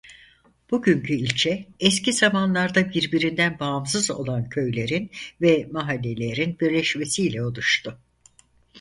Bugünkü ilçe eski zamanlarda birbirinden bağımsız olan köylerin ve mahallelerin birleşmesiyle oluştu.